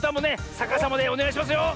さかさまでおねがいしますよ。